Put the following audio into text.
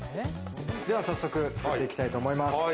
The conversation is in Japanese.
では早速作っていきたいと思います。